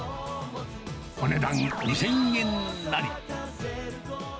お値段２０００円なり。